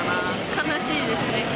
悲しいですね。